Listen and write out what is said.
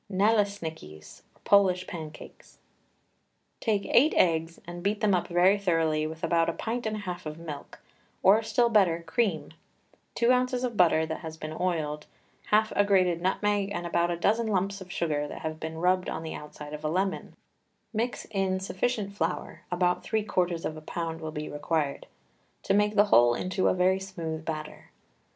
NALESNIKIS (POLISH PANCAKES). Take eight eggs and beat them up very thoroughly with about a pint and a half of milk, or still better, cream, two ounces of butter that has been oiled, half a grated nutmeg, and about a dozen lumps of sugar that have been rubbed on the outside of a lemon; mix in sufficient flour about three quarters of a pound will be required to make the whole into a very smooth batter.